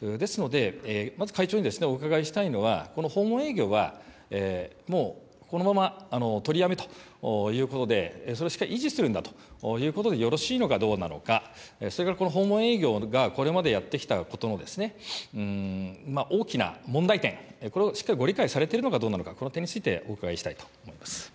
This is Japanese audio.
ですので、まず会長にお伺いしたいのは、この訪問営業は、もう、このまま取りやめということで、それ、しっかり維持するんだということでよろしいのかどうなのか、それからこの訪問営業がこれまでやってきたことの大きな問題点、これをしっかりご理解されているのかどうなのか、この点についてお伺いしたいと思います。